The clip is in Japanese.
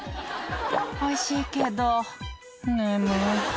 「おいしいけど眠い」